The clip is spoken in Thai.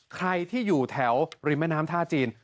ใครที่อยู่แถวริมแม่น้ำท่าจีน